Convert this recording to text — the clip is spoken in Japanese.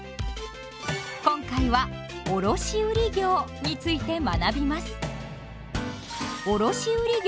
今回は「卸売業」について学びます。